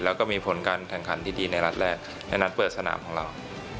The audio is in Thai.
แล้วก็มีผลการแข่งขันที่ดีในนัดแรกในนัดเปิดสนามของเรา